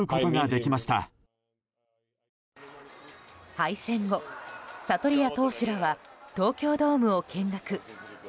敗戦後、サトリア投手らは東京ドームを見学。